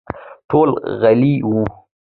ټول غلي وو.